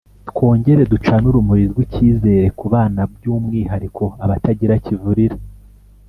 twongere ducane urumuri rw’icyizere ku bana by’umwihariko abatagira kivurira